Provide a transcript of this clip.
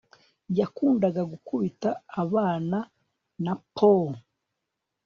yakundaga gukubita abana na poo